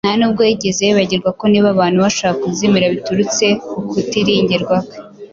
Nta n’ubwo yigeze yibagirwa ko niba abantu bashobora kuzimira biturutse ku kutiringirwa kwe,